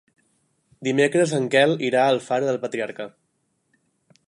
Dimecres en Quel irà a Alfara del Patriarca.